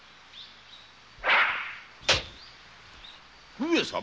上様。